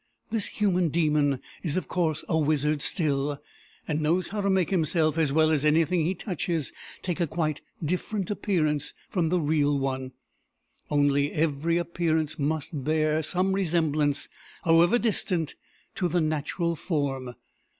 This human demon is of course a wizard still, and knows how to make himself, as well as anything he touches, take a quite different appearance from the real one; only every appearance must bear some resemblance, however distant, to the natural form.